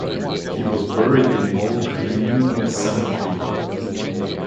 He was buried in Mol Communal Cemetery.